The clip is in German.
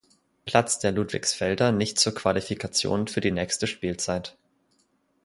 Platz der Ludwigsfelder nicht zur Qualifikation für die nächste Spielzeit.